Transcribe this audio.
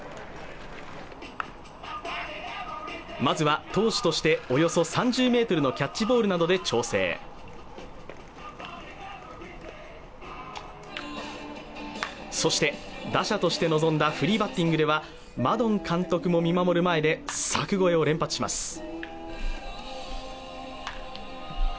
まずは投手としておよそ３０メートルのキャッチボールなどで調整そして打者として臨んだフリーバッティングではマドン監督も見守る前で柵越えを連発します